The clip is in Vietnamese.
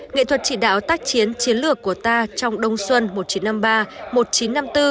nghệ thuật chỉ đạo tác chiến chiến lược của ta trong đông xuân một nghìn chín trăm năm mươi ba một nghìn chín trăm năm mươi bốn